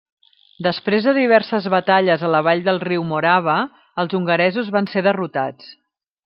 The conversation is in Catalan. Després de diverses batalles a la vall del riu Morava, els hongaresos van ser derrotats.